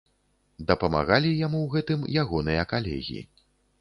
Дапамагалі яму ў гэтым ягоныя калегі.